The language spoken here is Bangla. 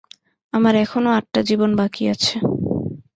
আমার এখনও আটটা জীবন বাকি আছে।